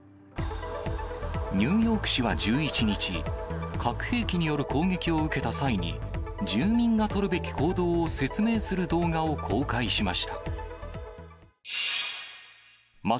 ニューヨーク市は１１日、核兵器による攻撃を受けた際に、住民が取るべき行動を説明する動画を公開しました。